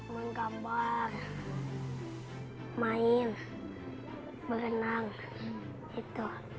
main gambar main berenang gitu